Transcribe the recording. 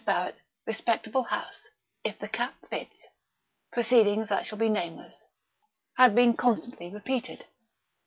Barrett ... respectable house ... if the cap fits ... proceedings that shall be nameless," had been constantly repeated.